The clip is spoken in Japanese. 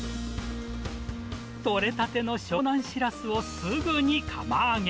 取れたての湘南シラスをすぐに釜揚げ。